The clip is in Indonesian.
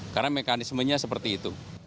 karena mekanismenya seperti itu